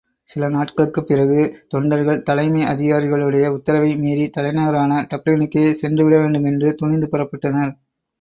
சில நாட்களுக்குப் பிறகு தொண்டர்கள் தலைமை அதிகாரிகளுடைய உத்தரவை மீறித்தலைநகரான டப்ளினுக்கே சென்று விடவேண்டும் என்று துணிந்து புறப்பட்டனர்.